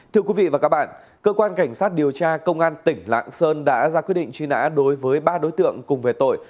thưa quý vị và các bạn cơ quan cảnh sát điều tra công an tỉnh lạng sơn đã ra quyết định truy nã đối với ba đối tượng cùng về tội